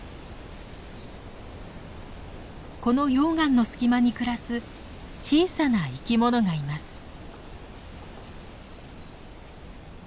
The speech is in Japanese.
この溶岩の隙間に暮らす小さな生き物がいます。